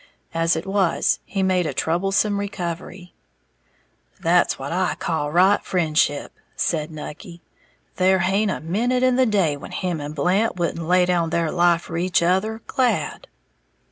As it was, he made a troublesome recovery. "That's what I call right friendship," said Nucky; "there haint a minute in the day when him and Blant wouldn't lay down their life for each other, glad."